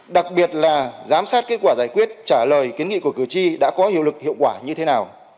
đặc biệt là giám sát kết quả giải quyết trả lời kiến nghị của cử tri đã có hiệu lực hiệu quả như thế nào